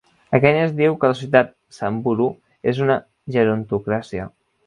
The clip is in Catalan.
A Kènia es diu que la societat samburu és una gerontocràcia.